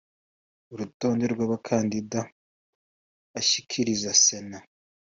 Urutonde rw abakandida ashyikiriza Sena